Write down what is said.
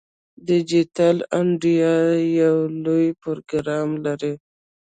ډیجیټل انډیا یو لوی پروګرام دی.